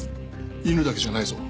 犬だけじゃないぞ。